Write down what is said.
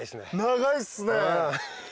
長いっすね。